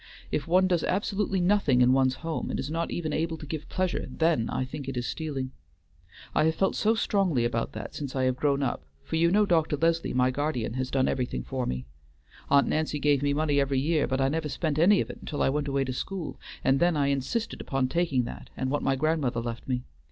If one does absolutely nothing in one's home, and is not even able to give pleasure, then I think it is stealing. I have felt so strongly about that since I have grown up, for you know Dr. Leslie, my guardian, has done everything for me. Aunt Nancy gave me money every year, but I never spent any of it until I went away to school, and then I insisted upon taking that and what my grandmother left me.